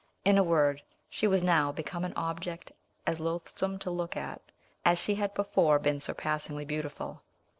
In a word, she was now become an object as loathsome to look at as she had before been surpassingly beautiful.